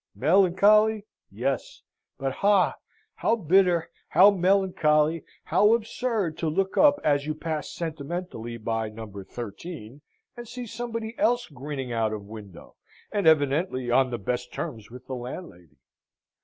Melancholy? Yes; but, ha! how bitter, how melancholy, how absurd to look up as you pass sentimentally by No. 13, and see somebody else grinning out of window, and evidently on the best terms with the landlady.